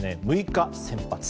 ６日先発。